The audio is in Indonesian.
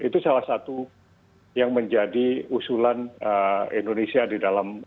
itu salah satu yang menjadi usulan indonesia di dalam